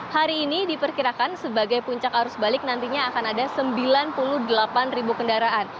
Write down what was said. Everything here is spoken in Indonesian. hari ini diperkirakan sebagai puncak arus balik nantinya akan ada sembilan puluh delapan ribu kendaraan